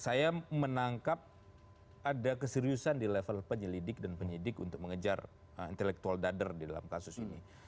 saya menangkap ada keseriusan di level penyelidik dan penyidik untuk mengejar intelektual dadar di dalam kasus ini